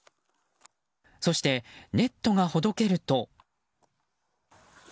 そして、ネットがほどけると。